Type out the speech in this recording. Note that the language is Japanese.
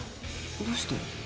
どうして？